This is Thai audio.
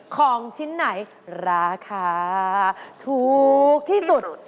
ของชิ้นไหนราคาถูกที่สุด